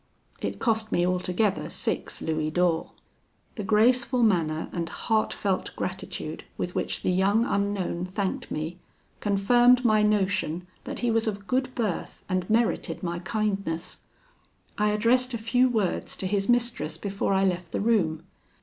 It cost me altogether six louis d'ors. The graceful manner and heartfelt gratitude with which the young unknown thanked me, confirmed my notion that he was of good birth and merited my kindness. I addressed a few words to his mistress before I left the room.